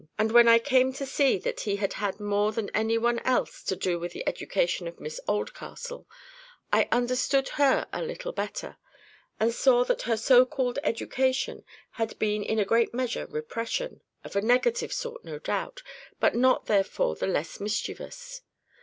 And when I came to see that he had had more than any one else to do with the education of Miss Oldcastle, I understood her a little better, and saw that her so called education had been in a great measure repression—of a negative sort, no doubt, but not therefore the less mischievous.